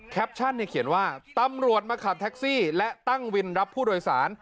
เขียนว่าตำรวจมาขับแท็กซี่และตั้งวินรับผู้โดยสาร